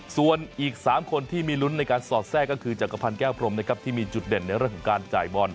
ส่วนอีก๓คนที่มีลุ้นในการสอดแทรกก็คือจักรพันธ์แก้วพรมนะครับที่มีจุดเด่นในเรื่องของการจ่ายบอล